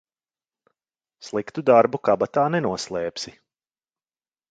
Sliktu darbu kabatā nenoslēpsi.